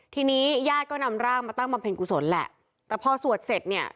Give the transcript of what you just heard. ทีนี้ญาติก็นำร่างมาตั้งบำเพ็ญกุศลแหละแต่พอสวดเสร็จเนี่ย